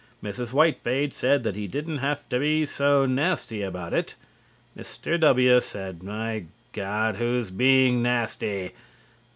Mrs. Whitebait said that he didn't have to be so nasty about is. Mr. W. said My God, who's being nasty?